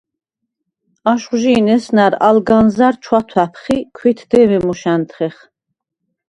აშხვჟი̄ნ ესნა̈რ ალ განზა̈რ ჩვათვა̈ფხ ი ქვით დე̄მე მოშ ა̈ნთხეხ.